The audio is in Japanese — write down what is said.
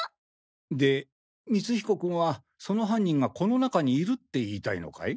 で光彦君はその犯人がこの中にいるって言いたいのかい？